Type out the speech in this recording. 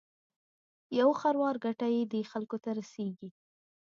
یو خروار ګټه یې دې خلکو ته رسېږي.